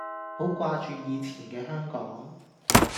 好掛住以前嘅香港